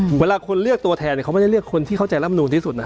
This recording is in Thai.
เวลาคนเลือกตัวแทนเขาไม่ได้เลือกคนที่เข้าใจร่ำนูนที่สุดนะ